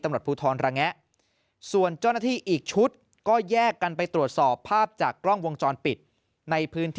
ตำรวจภูทรระแงะส่วนเจ้าหน้าที่อีกชุดก็แยกกันไปตรวจสอบภาพจากกล้องวงจรปิดในพื้นที่